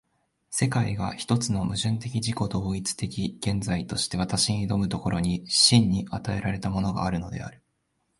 世界が一つの矛盾的自己同一的現在として私に臨む所に、真に与えられたものがあるのである。